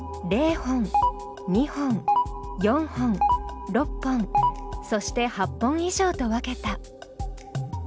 ０本２本４本６本そして８本以上と分けた。